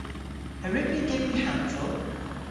A wrug vy dybri hansel?